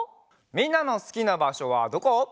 みんなのすきなばしょはどこ？